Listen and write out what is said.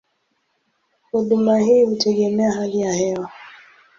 Huduma hii hutegemea hali ya hewa.